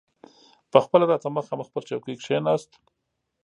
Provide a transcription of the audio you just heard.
پخپله راته مخامخ پر چوکۍ کښېناست.